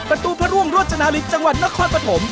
ประตูพระร่วงโรจนาริสจังหวัดนครปฐม